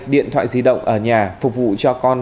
điện thoại di động ở nhà phục vụ cho con